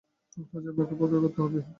কাজেই আপনাকে অপেক্ষা করতে হবে।